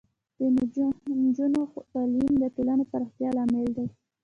د نجونو تعلیم د ټولنې پراختیا لامل دی.